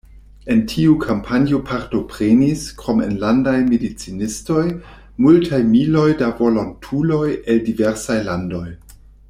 En tiu kampanjo partoprenis, krom enlandaj medicinistoj, multaj miloj da volontuloj el diversaj landoj.